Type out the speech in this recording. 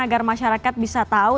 agar masyarakat bisa tahu